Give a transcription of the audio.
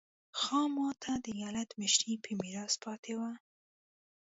خاما ته د ایالت مشري په میراث پاتې وه.